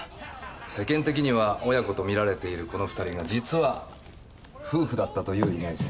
世間的には親子と見られているこの二人が実は夫婦だったという意外性。